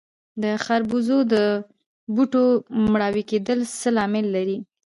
د خربوزو د بوټو مړاوي کیدل څه لامل لري؟